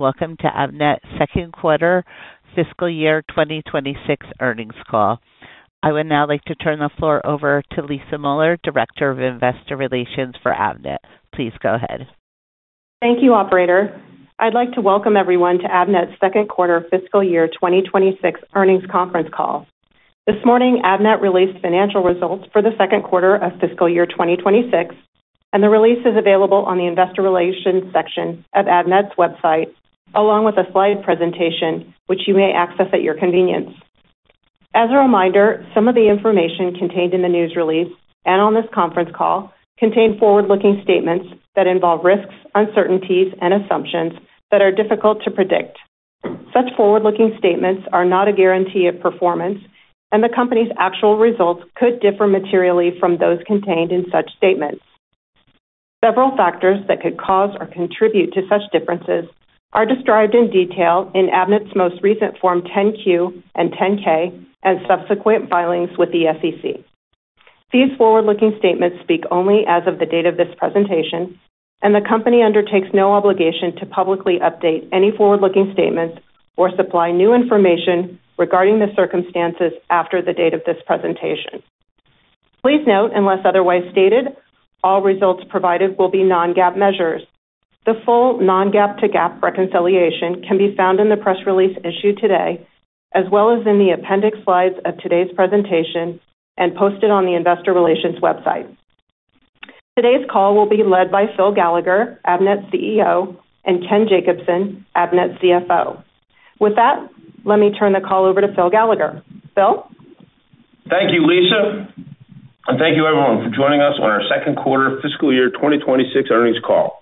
Welcome to Avnet Second Quarter Fiscal Year 2026 Earnings Call. I would now like to turn the floor over to Lisa Mueller, Director of Investor Relations for Avnet. Please go ahead. Thank you, operator. I'd like to welcome everyone to Avnet's Second Quarter Fiscal Year 2026 Earnings Conference Call. This morning, Avnet released financial results for the second quarter of fiscal year 2026, and the release is available on the Investor Relations Section of Avnet's website, along with a slide presentation, which you may access at your convenience. As a reminder, some of the information contained in the news release and on this conference call contain forward-looking statements that involve risks, uncertainties, and assumptions that are difficult to predict. Such forward-looking statements are not a guarantee of performance, and the company's actual results could differ materially from those contained in such statements. Several factors that could cause or contribute to such differences are described in detail in Avnet's most recent Form 10-Q and 10-K and subsequent filings with the SEC. These forward-looking statements speak only as of the date of this presentation, and the company undertakes no obligation to publicly update any forward-looking statements or supply new information regarding the circumstances after the date of this presentation. Please note, unless otherwise stated, all results provided will be non-GAAP measures. The full non-GAAP to GAAP reconciliation can be found in the press release issued today, as well as in the appendix slides of today's presentation and posted on the investor relations website. Today's call will be led by Phil Gallagher, Avnet's CEO, and Ken Jacobson, Avnet's CFO. With that, let me turn the call over to Phil Gallagher. Phil? Thank you, Lisa, and thank you everyone for joining us on our Second Quarter Fiscal Year 2026 Earnings Call.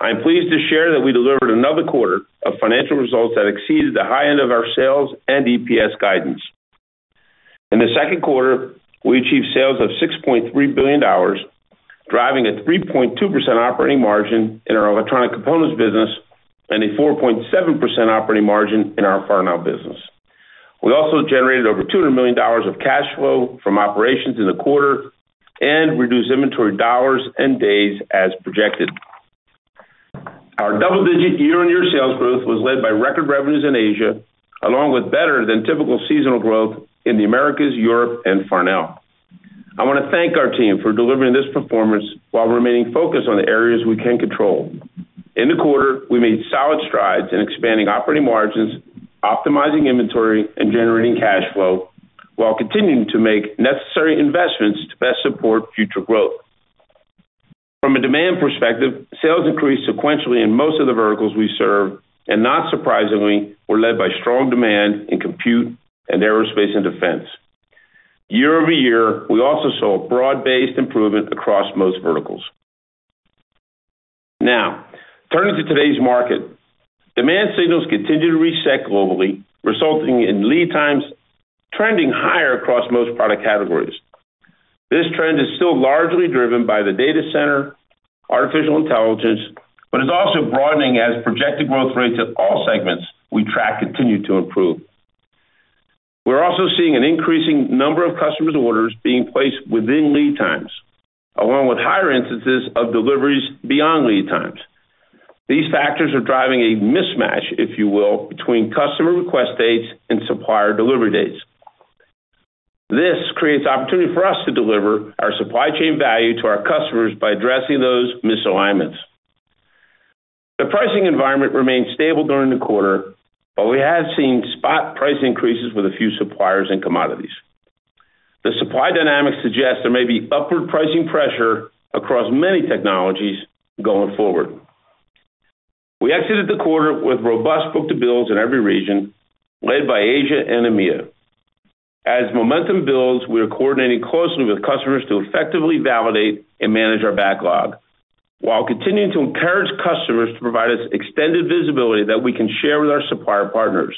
I'm pleased to share that we delivered another quarter of financial results that exceeded the high end of our sales and EPS guidance. In the second quarter, we achieved sales of $6.3 billion, driving a 3.2% operating margin in our electronic components business and a 4.7% operating margin in our Farnell business. We also generated over $200 million of cash flow from operations in the quarter and reduced inventory dollars and days as projected. Our double-digit year-on-year sales growth was led by record revenues in Asia, along with better than typical seasonal growth in the Americas, Europe, and Farnell. I wanna thank our team for delivering this performance while remaining focused on the areas we can control. In the quarter, we made solid strides in expanding operating margins, optimizing inventory, and generating cash flow, while continuing to make necessary investments to best support future growth. From a demand perspective, sales increased sequentially in most of the verticals we serve, and not surprisingly, were led by strong demand in compute and aerospace and defense. Year-over-year, we also saw a broad-based improvement across most verticals. Now, turning to today's market. Demand signals continue to reset globally, resulting in lead times trending higher across most product categories. This trend is still largely driven by the data center, artificial intelligence, but is also broadening as projected growth rates of all segments we track continue to improve. We're also seeing an increasing number of customers' orders being placed within lead times, along with higher instances of deliveries beyond lead times. These factors are driving a mismatch, if you will, between customer request dates and supplier delivery dates. This creates opportunity for us to deliver our supply chain value to our customers by addressing those misalignments. The pricing environment remained stable during the quarter, but we have seen spot price increases with a few suppliers and commodities. The supply dynamics suggest there may be upward pricing pressure across many technologies going forward. We exited the quarter with robust book-to-bills in every region, led by Asia and EMEA. As momentum builds, we are coordinating closely with customers to effectively validate and manage our backlog, while continuing to encourage customers to provide us extended visibility that we can share with our supplier partners.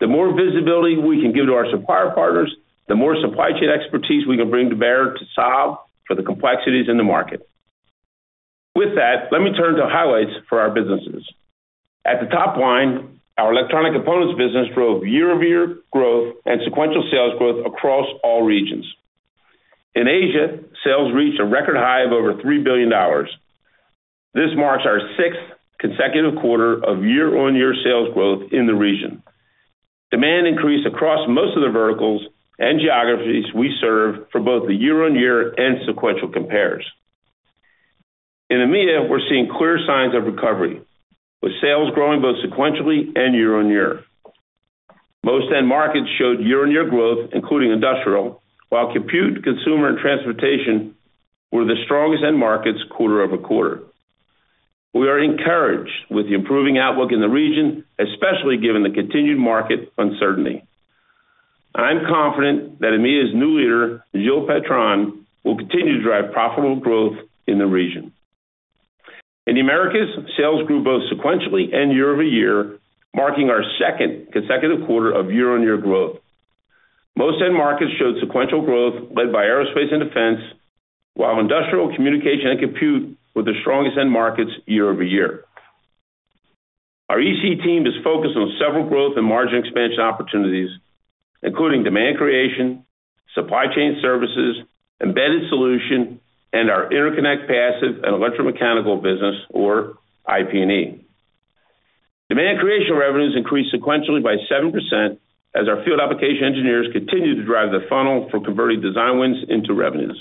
The more visibility we can give to our supplier partners, the more supply chain expertise we can bring to bear to solve for the complexities in the market. With that, let me turn to highlights for our businesses. At the top line, our electronic components business drove year-over-year growth and sequential sales growth across all regions. In Asia, sales reached a record high of over $3 billion. This marks our sixth consecutive quarter of year-on-year sales growth in the region. Demand increased across most of the verticals and geographies we serve for both the year-on-year and sequential compares. In EMEA, we're seeing clear signs of recovery, with sales growing both sequentially and year-on-year. Most end markets showed year-on-year growth, including industrial, while compute, consumer, and transportation were the strongest end markets quarter-over-quarter. We are encouraged with the improving outlook in the region, especially given the continued market uncertainty. I'm confident that EMEA's new leader, Gilles Beltran, will continue to drive profitable growth in the region. In the Americas, sales grew both sequentially and year-over-year, marking our second consecutive quarter of year-over-year growth. Most end markets showed sequential growth led by aerospace and defense, while industrial, communication, and compute were the strongest end markets year-over-year. Our EC team is focused on several growth and margin expansion opportunities, including demand creation, supply chain services, embedded solution, and our interconnect passive and electromechanical business, or IP&E. Demand creation revenues increased sequentially by 7%, as our field application engineers continued to drive the funnel for converting design wins into revenues.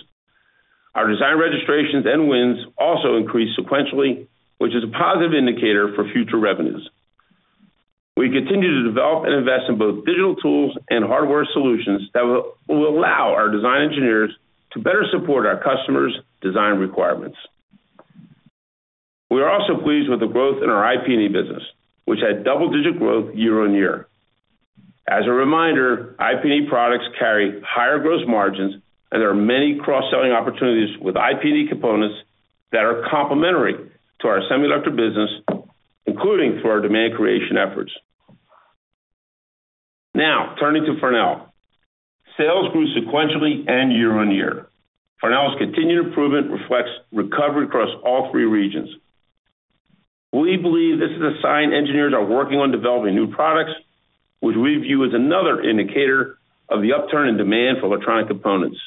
Our design registrations and wins also increased sequentially, which is a positive indicator for future revenues. We continue to develop and invest in both digital tools and hardware solutions that will allow our design engineers to better support our customers' design requirements. We are also pleased with the growth in our IP&E business, which had double-digit growth year-on-year. As a reminder, IP&E products carry higher gross margins, and there are many cross-selling opportunities with IP&E components that are complementary to our semiconductor business, including for our demand creation efforts. Now, turning to Farnell. Sales grew sequentially and year-on-year. Farnell's continued improvement reflects recovery across all three regions. We believe this is a sign engineers are working on developing new products, which we view as another indicator of the upturn in demand for electronic components.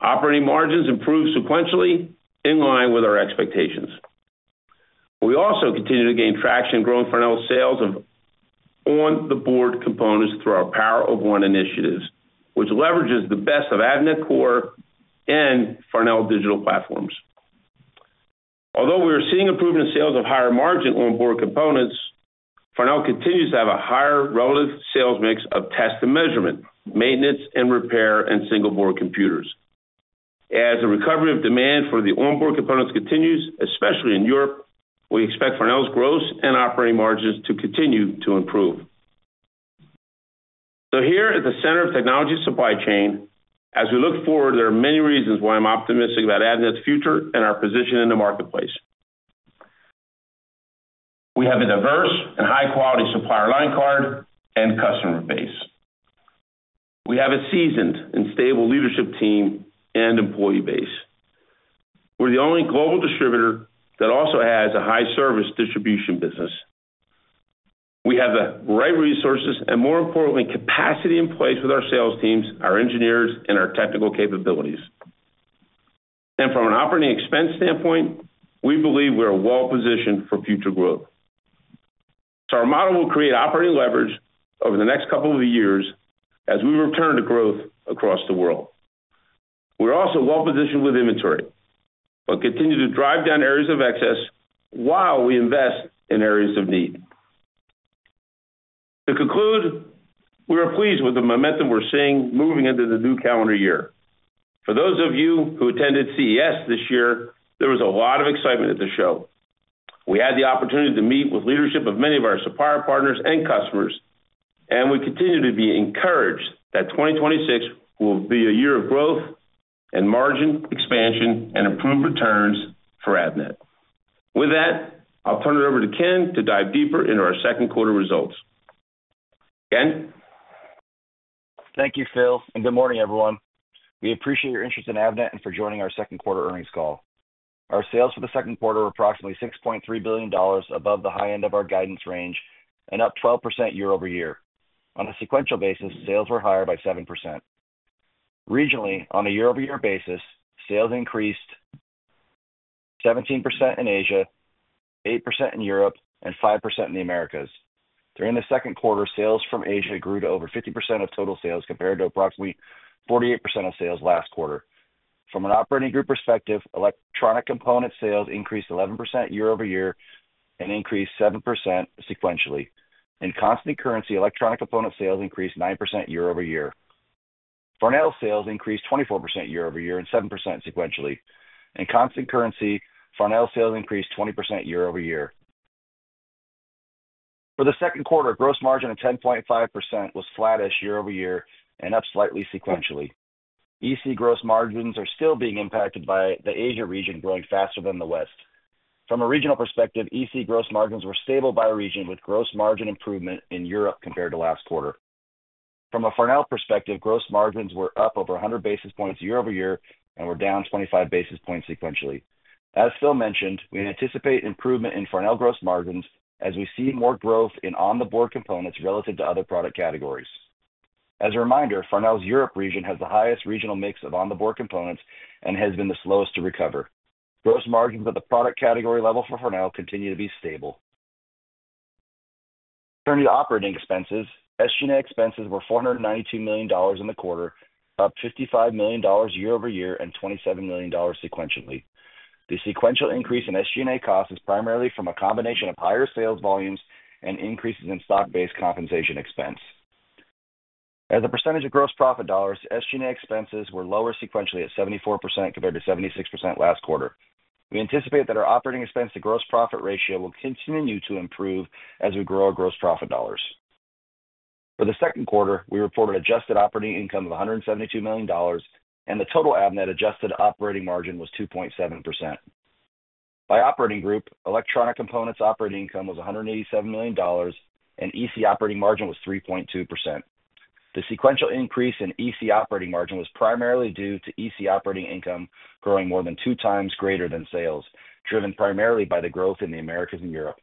Operating margins improved sequentially in line with our expectations. We also continue to gain traction growing Farnell sales of single-board components through our Power of One initiatives, which leverages the best of Avnet Core and Farnell digital platforms. Although we are seeing improvement in sales of higher-margin on-board components, Farnell continues to have a higher relative sales mix of test and measurement, maintenance and repair, and single-board computers. As the recovery of demand for the on-board components continues, especially in Europe, we expect Farnell's gross and operating margins to continue to improve. So here at the center of technology supply chain, as we look forward, there are many reasons why I'm optimistic about Avnet's future and our position in the marketplace. We have a diverse and high-quality supplier line card and customer base. We have a seasoned and stable leadership team and employee base. We're the only global distributor that also has a high-service distribution business. We have the right resources and, more importantly, capacity in place with our sales teams, our engineers, and our technical capabilities. From an operating expense standpoint, we believe we are well positioned for future growth. Our model will create operating leverage over the next couple of years as we return to growth across the world. We're also well positioned with inventory, but continue to drive down areas of excess while we invest in areas of need. To conclude, we are pleased with the momentum we're seeing moving into the new calendar year. For those of you who attended CES this year, there was a lot of excitement at the show. We had the opportunity to meet with leadership of many of our supplier partners and customers, and we continue to be encouraged that 2026 will be a year of growth and margin expansion and improved returns for Avnet. With that, I'll turn it over to Ken to dive deeper into our second quarter results. Ken? Thank you, Phil, and good morning, everyone. We appreciate your interest in Avnet and for joining our second quarter earnings call. Our sales for the second quarter were approximately $6.3 billion, above the high end of our guidance range and up 12% year-over-year. On a sequential basis, sales were higher by 7%. Regionally, on a year-over-year basis, sales increased 17% in Asia, 8% in Europe, and 5% in the Americas. During the second quarter, sales from Asia grew to over 50% of total sales, compared to approximately 48% of sales last quarter. From an operating group perspective, electronic component sales increased 11% year-over-year and increased 7% sequentially. In constant currency, electronic component sales increased 9% year-over-year. Farnell sales increased 24% year-over-year and 7% sequentially. In constant currency, Farnell sales increased 20% year-over-year. For the second quarter, gross margin of 10.5% was flattish year-over-year and up slightly sequentially. EC gross margins are still being impacted by the Asia region growing faster than the West. From a regional perspective, EC gross margins were stable by region, with gross margin improvement in Europe compared to last quarter. From a Farnell perspective, gross margins were up over 100 basis points year-over-year and were down 25 basis points sequentially. As Phil mentioned, we anticipate improvement in Farnell gross margins as we see more growth in on-the-board components relative to other product categories. As a reminder, Farnell's Europe region has the highest regional mix of on-the-board components and has been the slowest to recover. Gross margins at the product category level for Farnell continue to be stable. Turning to operating expenses, SG&A expenses were $492 million in the quarter, up $55 million year-over-year and $27 million sequentially. The sequential increase in SG&A costs is primarily from a combination of higher sales volumes and increases in stock-based compensation expense. As a percentage of gross profit dollars, SG&A expenses were lower sequentially at 74%, compared to 76% last quarter. We anticipate that our operating expense to gross profit ratio will continue to improve as we grow our gross profit dollars. For the second quarter, we reported adjusted operating income of $172 million, and the total Avnet adjusted operating margin was 2.7%. By operating group, electronic components operating income was $187 million, and EC operating margin was 3.2%. The sequential increase in EC operating margin was primarily due to EC operating income growing more than two times greater than sales, driven primarily by the growth in the Americas and Europe.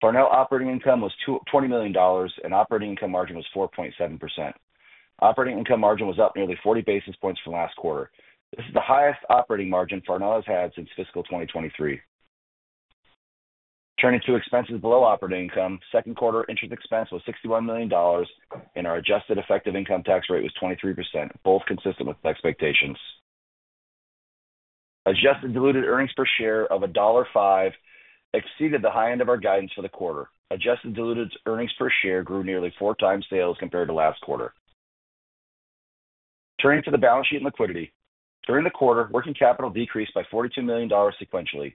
Farnell operating income was $20 million, and operating income margin was 4.7%. Operating income margin was up nearly 40 basis points from last quarter. This is the highest operating margin Farnell has had since fiscal 2023. Turning to expenses below operating income, second quarter interest expense was $61 million, and our adjusted effective income tax rate was 23%, both consistent with expectations. Adjusted diluted earnings per share of $1.05 exceeded the high end of our guidance for the quarter. Adjusted diluted earnings per share grew nearly four times sales compared to last quarter. Turning to the balance sheet and liquidity. During the quarter, working capital decreased by $42 million sequentially.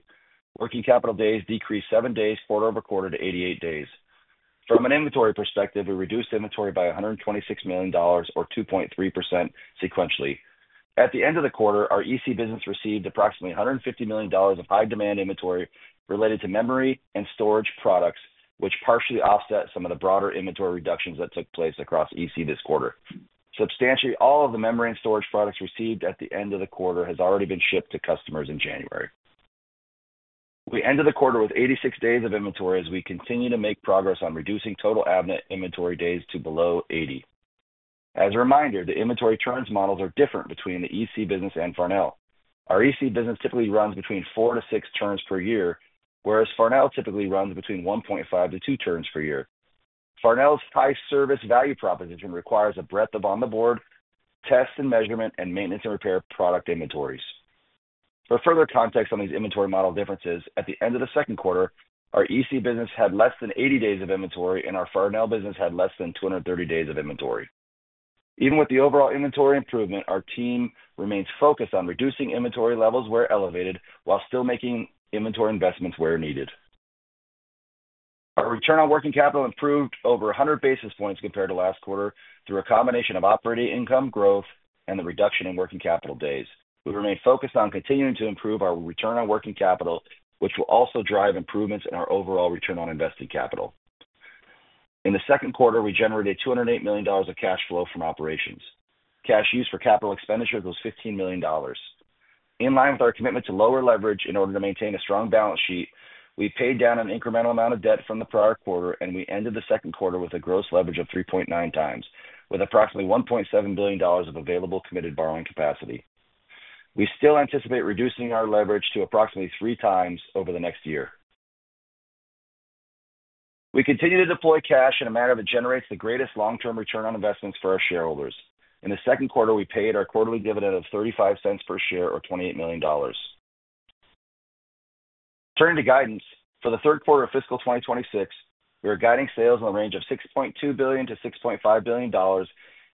Working capital days decreased seven days quarter-over-quarter to 88 days. From an inventory perspective, we reduced inventory by $126 million, or 2.3% sequentially. At the end of the quarter, our EC business received approximately $150 million of high demand inventory related to memory and storage products, which partially offset some of the broader inventory reductions that took place across EC this quarter. Substantially, all of the memory and storage products received at the end of the quarter has already been shipped to customers in January. We ended the quarter with 86 days of inventory as we continue to make progress on reducing total Avnet inventory days to below 80. As a reminder, the inventory turns models are different between the EC business and Farnell. Our EC business typically runs between four-six turns per year, whereas Farnell typically runs between 1.5-two turns per year. Farnell's high service value proposition requires a breadth of on the board, test and measurement, and maintenance and repair product inventories. For further context on these inventory model differences, at the end of the second quarter, our EC business had less than 80 days of inventory, and our Farnell business had less than 230 days of inventory. Even with the overall inventory improvement, our team remains focused on reducing inventory levels where elevated, while still making inventory investments where needed. Our return on working capital improved over 100 basis points compared to last quarter, through a combination of operating income growth and the reduction in working capital days. We remain focused on continuing to improve our return on working capital, which will also drive improvements in our overall return on invested capital. In the second quarter, we generated $208 million of cash flow from operations. Cash used for capital expenditure was $15 million. In line with our commitment to lower leverage in order to maintain a strong balance sheet, we paid down an incremental amount of debt from the prior quarter, and we ended the second quarter with a gross leverage of 3.9 times, with approximately $1.7 billion of available committed borrowing capacity. We still anticipate reducing our leverage to approximately three times over the next year. We continue to deploy cash in a manner that generates the greatest long-term return on investments for our shareholders. In the second quarter, we paid our quarterly dividend of $0.35 per share, or $28 million. Turning to guidance. For the third quarter of fiscal 2026, we are guiding sales in the range of $6.2 billion-$6.5 billion,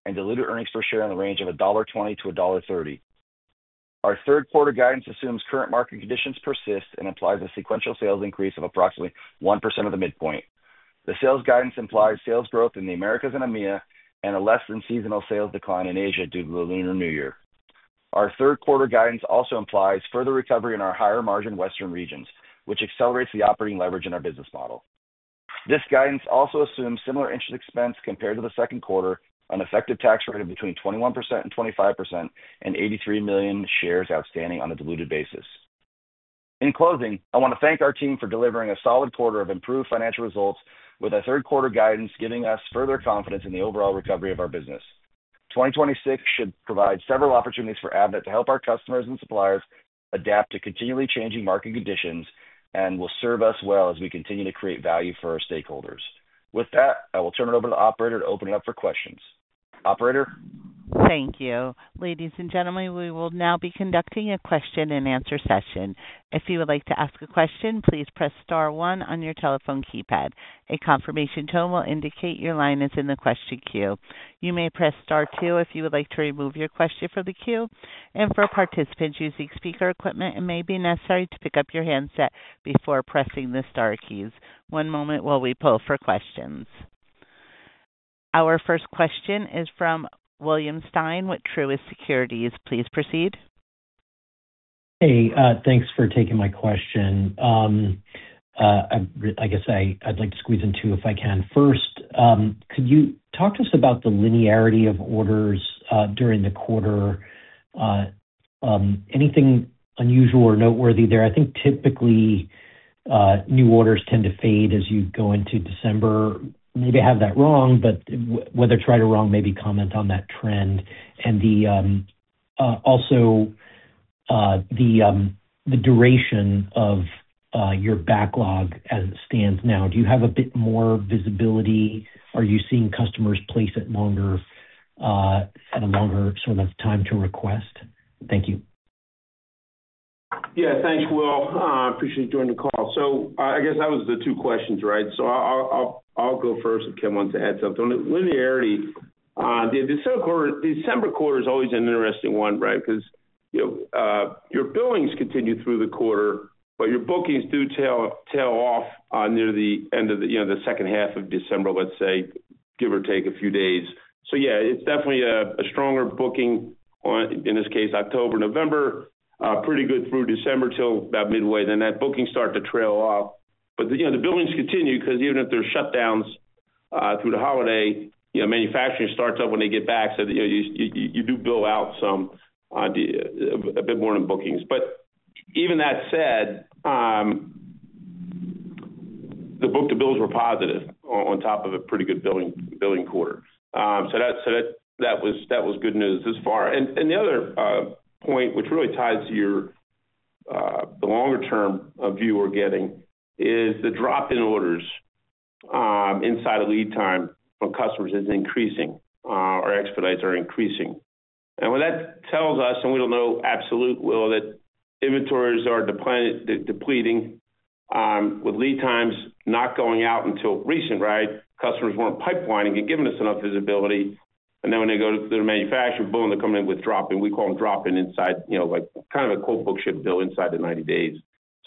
and diluted earnings per share in the range of $1.20-$1.30. Our third quarter guidance assumes current market conditions persist and implies a sequential sales increase of approximately 1% of the midpoint. The sales guidance implies sales growth in the Americas and EMEA, and a less than seasonal sales decline in Asia due to the Lunar New Year. Our third quarter guidance also implies further recovery in our higher margin Western regions, which accelerates the operating leverage in our business model. This guidance also assumes similar interest expense compared to the second quarter, an effective tax rate of between 21% and 25%, and 83 million shares outstanding on a diluted basis. In closing, I want to thank our team for delivering a solid quarter of improved financial results, with our third quarter guidance giving us further confidence in the overall recovery of our business. 2026 should provide several opportunities for Avnet to help our customers and suppliers adapt to continually changing market conditions and will serve us well as we continue to create value for our stakeholders. With that, I will turn it over to the operator to open it up for questions. Operator? Thank you. Ladies and gentlemen, we will now be conducting a question-and-answer session. If you would like to ask a question, please press star one on your telephone keypad. A confirmation tone will indicate your line is in the question queue. You may press Star two if you would like to remove your question from the queue, and for participants using speaker equipment, it may be necessary to pick up your handset before pressing the star keys. One moment while we poll for questions. Our first question is from William Stein with Truist Securities. Please proceed. Hey, thanks for taking my question. I guess I'd like to squeeze in two, if I can. First, could you talk to us about the linearity of orders during the quarter? Anything unusual or noteworthy there? I think typically, new orders tend to fade as you go into December. Maybe I have that wrong, but whether it's right or wrong, maybe comment on that trend and also the duration of your backlog as it stands now. Do you have a bit more visibility? Are you seeing customers place it longer at a longer sort of time to request? Thank you. Yeah, thanks, Will. I appreciate you joining the call. So I guess that was the two questions, right? So I'll go first, if Ken wants to add something. On the linearity, the second quarter - December quarter is always an interesting one, right? Because, you know, your billings continue through the quarter, but your bookings do tail off, near the end of, you know, the second half of December, let's say, give or take a few days. So yeah, it's definitely a stronger booking on, in this case, October, November, pretty good through December till about midway, then that booking start to trail off. But, you know, the billings continue, because even if there are shutdowns-... through the holiday, you know, manufacturing starts up when they get back. You do bill out somewhat a bit more than bookings. Even that said, the book-to-bills were positive on top of a pretty good billing quarter. So that was good news this far. The other point, which really ties to your, the longer-term view we're getting, is the drop in orders inside of lead time from customers is increasing or expedites are increasing. What that tells us, and we don't know the absolute level, that inventories are depleting with lead times not going out until recently, right? Customers weren't pipelining and giving us enough visibility. And then when they go to their manufacturer, boom, they're coming in with drop, and we call them drop-in inside, you know, like kind of a quote, book, ship, bill inside the 90 days.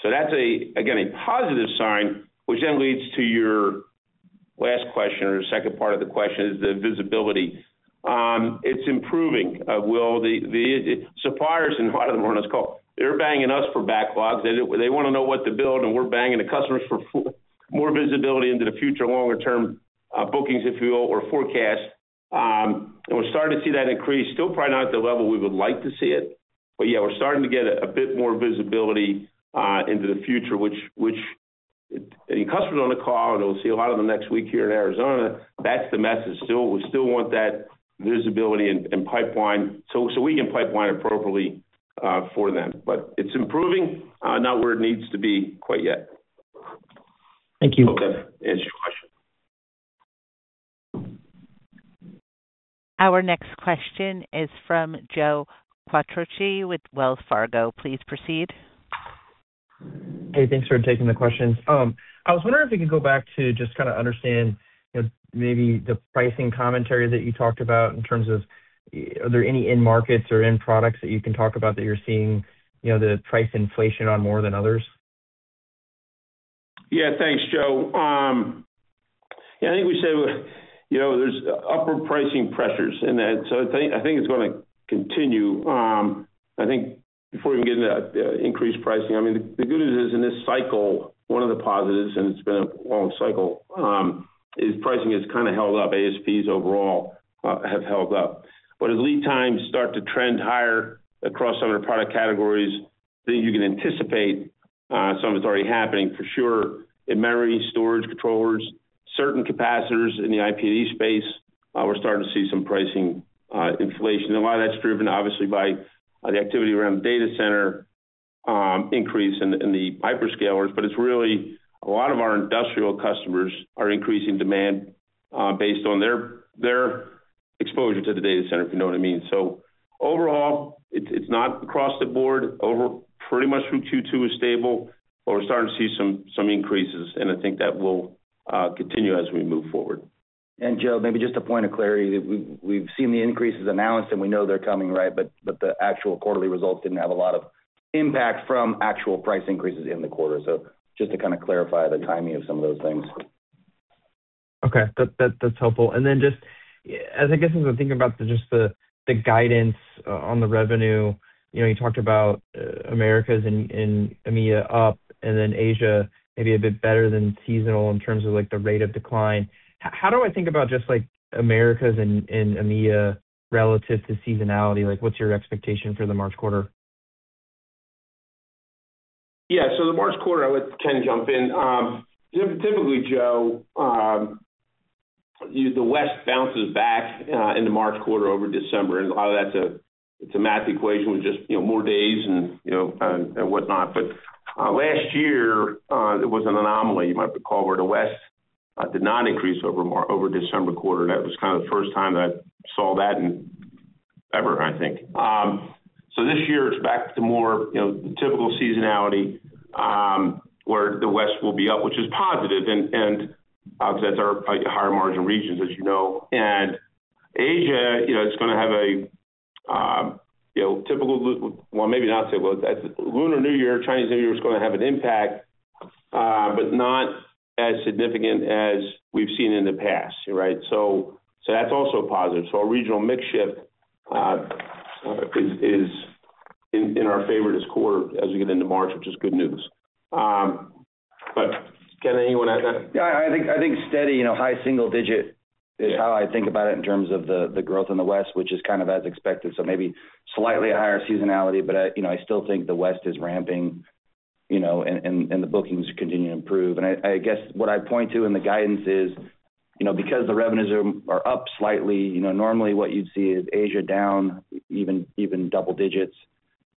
So that's, again, a positive sign, which then leads to your last question, or the second part of the question, is the visibility. It's improving. Will, the suppliers, and a lot of them are on this call, they're banging us for backlogs. They wanna know what to build, and we're banging the customers for more visibility into the future, longer-term, bookings, if you will, or forecast. And we're starting to see that increase. Still probably not at the level we would like to see it, but yeah, we're starting to get a bit more visibility into the future, which, and customers on the call, and we'll see a lot of them next week here in Arizona. That's the message. Still, we still want that visibility and pipeline, so we can pipeline appropriately for them. But it's improving, not where it needs to be quite yet. Thank you. Okay. Answers your question. Our next question is from Joe Quattrocchi with Wells Fargo. Please proceed. Hey, thanks for taking the questions. I was wondering if you could go back to just kinda understand, you know, maybe the pricing commentary that you talked about in terms of, are there any end markets or end products that you can talk about that you're seeing, you know, the price inflation on more than others? Yeah, thanks, Joe. Yeah, I think we said, you know, there's upper pricing pressures in that, so I think, I think it's gonna continue. I think before we even get into that, increased pricing, I mean, the good news is, in this cycle, one of the positives, and it's been a long cycle, is pricing has kinda held up. ASPs overall, have held up. But as lead times start to trend higher across some of their product categories, then you can anticipate, some of it's already happening for sure, in memory, storage, controllers, certain capacitors in the IPD space, we're starting to see some pricing, inflation. A lot of that's driven, obviously, by the activity around the data center, increase in the hyperscalers, but it's really a lot of our industrial customers are increasing demand, based on their exposure to the data center, if you know what I mean. So overall, it's not across the board. Over pretty much through Q2 is stable, but we're starting to see some increases, and I think that will continue as we move forward. And Joe, maybe just a point of clarity. We've seen the increases announced, and we know they're coming, right? But the actual quarterly results didn't have a lot of impact from actual price increases in the quarter. So just to kinda clarify the timing of some of those things. Okay, that's helpful. And then just, as I guess, as I'm thinking about the just the guidance on the revenue, you know, you talked about Americas and EMEA up and then Asia, maybe a bit better than seasonal in terms of, like, the rate of decline. How do I think about just, like, Americas and EMEA relative to seasonality? Like, what's your expectation for the March quarter? Yeah, so the March quarter, I let Ken jump in. Typically, Joe, the West bounces back in the March quarter over December, and a lot of that's a, it's a math equation with just, you know, more days and, you know, and whatnot. But last year, it was an anomaly, you might recall, where the West did not increase over December quarter. That was kind of the first time that I saw that in ever, I think. So this year it's back to more, you know, typical seasonality, where the West will be up, which is positive, and obviously, that's our, like, higher margin regions, as you know. And Asia, you know, it's gonna have a, you know, typical, well, maybe not typical. Lunar New Year, Chinese New Year is gonna have an impact, but not as significant as we've seen in the past, right? So that's also a positive. So our regional mix shift is in our favor this quarter as we get into March, which is good news. But Ken, anything you wanna add to that? Yeah, I think steady, you know, high single digit- Yeah... is how I think about it in terms of the growth in the West, which is kind of as expected, so maybe slightly higher seasonality. But I you know I still think the West is ramping you know and the bookings continue to improve. And I guess what I'd point to in the guidance is you know because the revenues are up slightly you know normally what you'd see is Asia down even double digits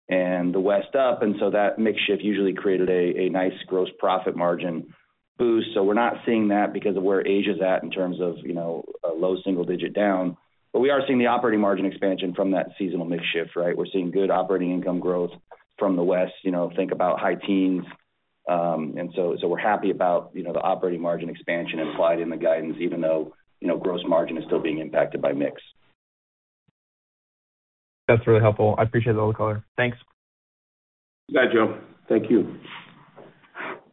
and the West up and so that mix shift usually created a nice gross profit margin boost. So we're not seeing that because of where Asia's at in terms of you know a low single digit down. But we are seeing the operating margin expansion from that seasonal mix shift right? We're seeing good operating income growth from the West. You know think about high teens. So, we're happy about, you know, the operating margin expansion implied in the guidance, even though, you know, gross margin is still being impacted by mix. That's really helpful. I appreciate all the color. Thanks. Bye, Joe. Thank you.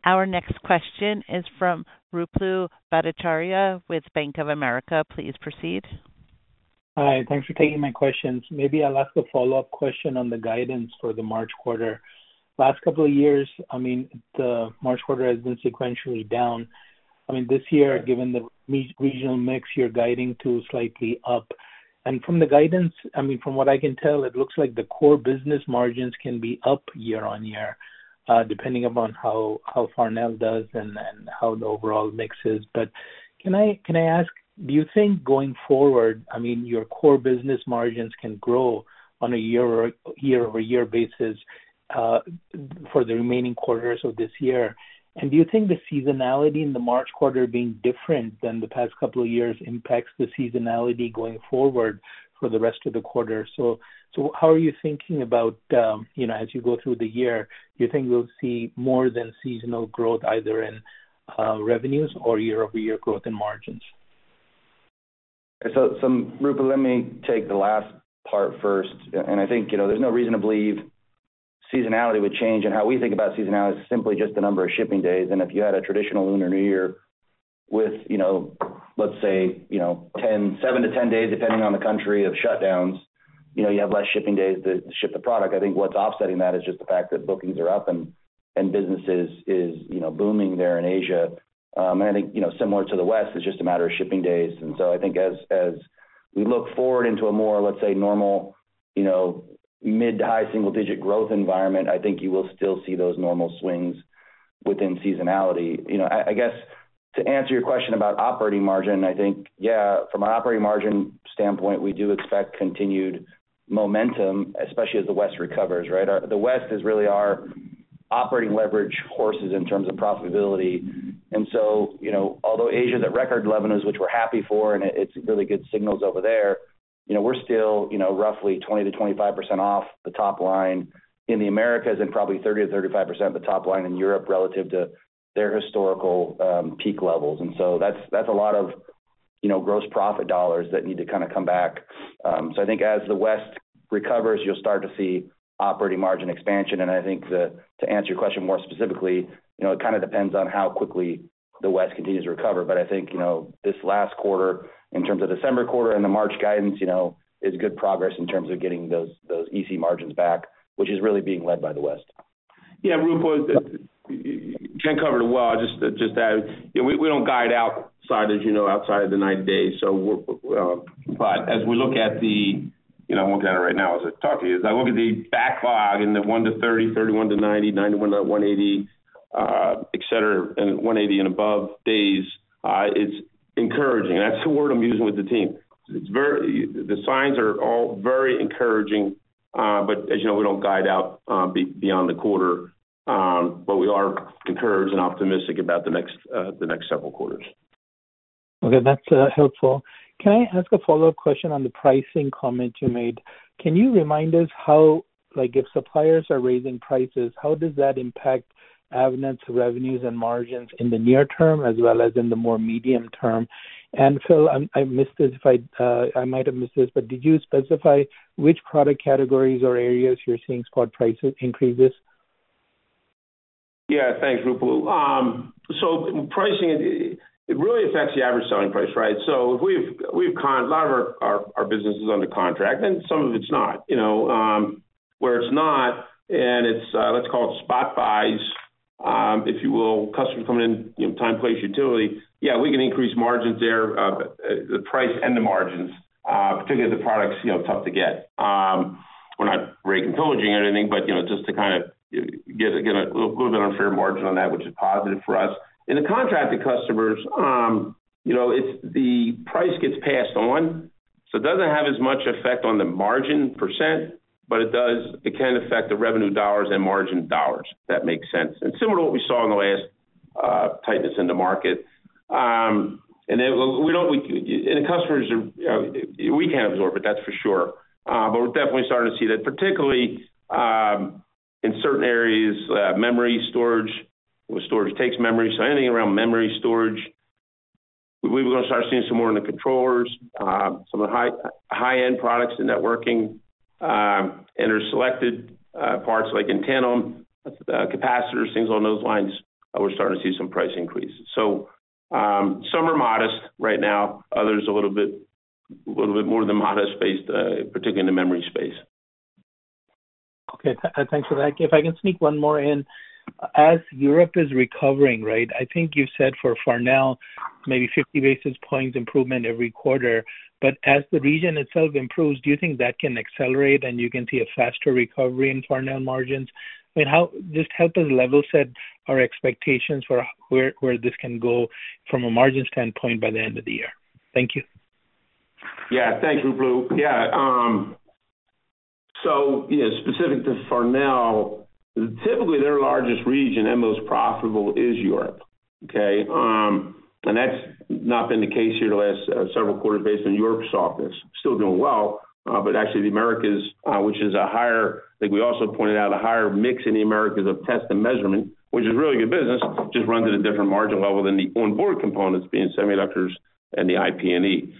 Our next question is from Ruplu Bhattacharya with Bank of America. Please proceed. Hi, thanks for taking my questions. Maybe I'll ask a follow-up question on the guidance for the March quarter. Last couple of years, I mean, the March quarter has been sequentially down. I mean, this year, given the regional mix, you're guiding to slightly up. And from the guidance, I mean, from what I can tell, it looks like the core business margins can be up year-over-year, depending upon how Farnell does and how the overall mix is. But can I ask, do you think going forward, I mean, your core business margins can grow on a year-over-year basis, for the remaining quarters of this year? And do you think the seasonality in the March quarter being different than the past couple of years impacts the seasonality going forward for the rest of the quarter? So how are you thinking about, you know, as you go through the year, do you think we'll see more than seasonal growth either in revenues or year-over-year growth in margins? So, Ruplu, let me take the last part first. And I think, you know, there's no reason to believe seasonality would change. And how we think about seasonality is simply just the number of shipping days. And if you had a traditional Lunar New Year with, you know, let's say, you know, seven-10 days, depending on the country, of shutdowns, you know, you have less shipping days to ship the product. I think what's offsetting that is just the fact that bookings are up and business is, you know, booming there in Asia. And I think, you know, similar to the West, it's just a matter of shipping days. And so I think as we look forward into a more, let's say, normal, you know, mid to high single-digit growth environment, I think you will still see those normal swings within seasonality. You know, I, I guess, to answer your question about operating margin, I think, yeah, from an operating margin standpoint, we do expect continued momentum, especially as the West recovers, right? Our- The West is really our operating leverage horses in terms of profitability. And so, you know, although Asia is at record levels, which we're happy for, and it, it's really good signals over there, you know, we're still, you know, roughly 20%-25% off the top line in the Americas, and probably 30%-35% of the top line in Europe relative to their historical, peak levels. And so that's, that's a lot of, you know, gross profit dollars that need to kind of come back. So I think as the West recovers, you'll start to see operating margin expansion. I think to answer your question more specifically, you know, it kind of depends on how quickly the West continues to recover. But I think, you know, this last quarter, in terms of December quarter and the March guidance, you know, is good progress in terms of getting those EC margins back, which is really being led by the West. Yeah, Ruplu, Ken covered it well. I'll just add, you know, we don't guide outside, as you know, outside of the 90 days, so we're... But as we look at the, you know, I'm looking at it right now as I talk to you, as I look at the backlog in the 1-30, 31-90, 91-180, et cetera, and 180 and above days, it's encouraging. That's the word I'm using with the team. The signs are all very encouraging, but as you know, we don't guide out beyond the quarter. But we are encouraged and optimistic about the next, the next several quarters. Okay, that's helpful. Can I ask a follow-up question on the pricing comment you made? Can you remind us how, like, if suppliers are raising prices, how does that impact Avnet's revenues and margins in the near term as well as in the more medium term? And Phil, I missed this, if I might have missed this, but did you specify which product categories or areas you're seeing spot price increases? Yeah, thanks, Ruplu. So pricing really affects the average selling price, right? So a lot of our business is under contract, and some of it's not. You know, where it's not, and it's, let's call it spot buys, if you will, customers coming in, you know, time, place, utility, yeah, we can increase margins there, the price and the margins, particularly if the product's, you know, tough to get. We're not price gouging or anything, but, you know, just to kind of get a little bit unfair margin on that, which is positive for us. In the contracted customers, you know, it's the price gets passed on, so it doesn't have as much effect on the margin percent, but it does it can affect the revenue dollars and margin dollars, if that makes sense. Similar to what we saw in the last tightness in the market. And the customers are, we can absorb it, that's for sure. But we're definitely starting to see that, particularly in certain areas, memory storage. Well, storage takes memory, so anything around memory storage, we will gonna start seeing some more in the controllers, some of the high, high-end products, the networking, and there are selected parts like antenna, capacitors, things on those lines, we're starting to see some price increases. So, some are modest right now, others a little bit, little bit more than modest-based, particularly in the memory space. Okay. Thanks for that. If I can sneak one more in. As Europe is recovering, right, I think you said for Farnell, maybe 50 basis points improvement every quarter. But as the region itself improves, do you think that can accelerate and you can see a faster recovery in Farnell margins? I mean, just help us level set our expectations for where, where this can go from a margin standpoint by the end of the year. Thank you. Yeah. Thanks, Ruplu. Yeah, so you know, specific to Farnell, typically, their largest region and most profitable is Europe, okay? And that's not been the case here the last several quarters based on Europe's softness. Still doing well, but actually the Americas, which is a higher... I think we also pointed out a higher mix in the Americas of test and measurement, which is really good business, just runs at a different margin level than the onboard components, being semiconductors and the IP&E.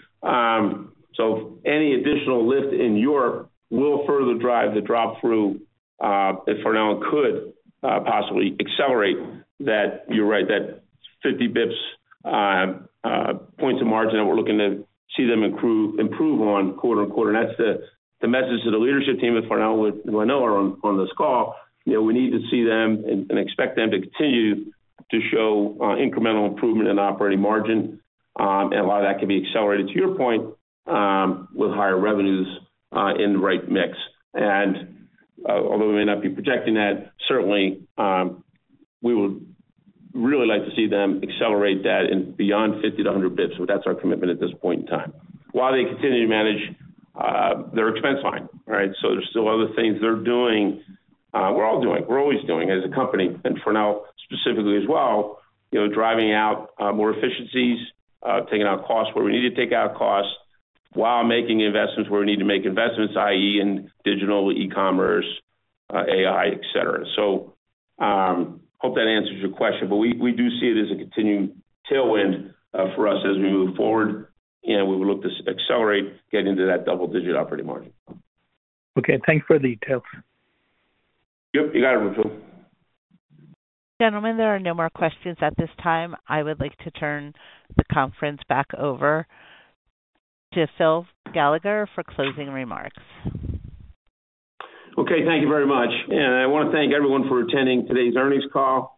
So any additional lift in Europe will further drive the drop-through, if Farnell could possibly accelerate that. You're right, that 50 basis points of margin that we're looking to see them improve, improve on quarter-over-quarter. And that's the message to the leadership team at Farnell, who I know are on this call. You know, we need to see them and expect them to continue to show incremental improvement in operating margin. And a lot of that can be accelerated, to your point, with higher revenues in the right mix. And although we may not be projecting that, certainly, we would really like to see them accelerate that and beyond 50-100 basis points. So that's our commitment at this point in time, while they continue to manage their expense line, right? So there's still other things they're doing, we're all doing, we're always doing as a company, and Farnell specifically as well, you know, driving out more efficiencies, taking out costs where we need to take out costs, while making investments where we need to make investments, i.e., in digital, e-commerce, AI, et cetera. So, hope that answers your question, but we, we do see it as a continuing tailwind, for us as we move forward, and we will look to accelerate getting to that double-digit operating margin. Okay, thanks for the details. Yep, you got it, Ruplu. Gentlemen, there are no more questions at this time. I would like to turn the conference back over to Phil Gallagher for closing remarks. Okay, thank you very much, and I want to thank everyone for attending today's earnings call.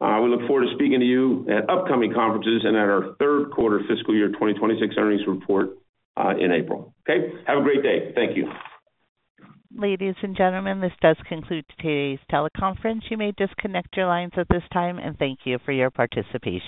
We look forward to speaking to you at upcoming conferences and at our third quarter fiscal year 2026 earnings report in April. Okay? Have a great day. Thank you. Ladies and gentlemen, this does conclude today's teleconference. You may disconnect your lines at this time, and thank you for your participation.